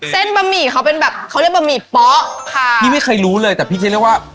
บะหมี่เขาเป็นแบบเขาเรียกบะหมี่เป๊ะค่ะพี่ไม่เคยรู้เลยแต่พี่จะเรียกว่า